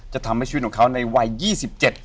จะทำให้ชีวิตของเขาในวัย๒๗ซึ่งรวมละเป็นเลข๙ผ่านไปได้ไหม